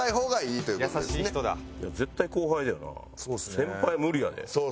先輩無理やで。